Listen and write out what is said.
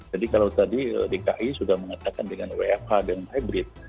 kalau tadi dki sudah mengatakan dengan wfh dan hybrid